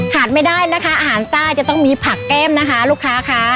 ไม่ได้นะคะอาหารใต้จะต้องมีผักแก้มนะคะลูกค้าค่ะ